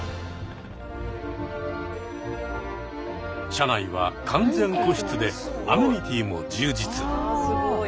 車内は完全個室でアメニティーも充実。